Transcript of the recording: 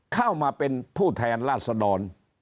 เข้ามาเป็นผู้แทนราษดร